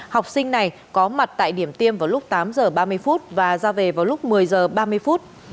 học sinh này có mặt tại điểm tiêm vào lúc tám giờ ba mươi phút và ra về vào lúc một mươi giờ ba mươi phút